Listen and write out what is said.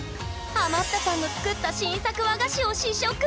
ハマったさんの作った新作和菓子を試食！